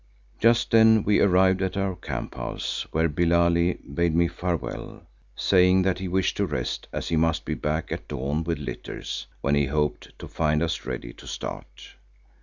Just then we arrived at our camp house, where Billali bade me farewell, saying that he wished to rest as he must be back at dawn with litters, when he hoped to find us ready to start.